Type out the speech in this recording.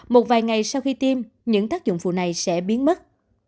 một vài ngày sau khi tiêm những tác dụng phụ này sẽ biến mất